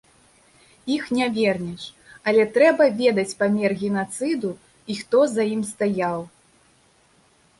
Іх не вернеш, але трэба ведаць памер генацыду і хто за ім стаяў.